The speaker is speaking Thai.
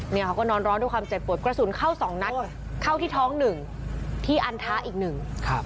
เขาก็นอนร้อนด้วยความเจ็บปวดกระสุนเข้าสองนัดเข้าที่ท้องหนึ่งที่อันทะอีกหนึ่งครับ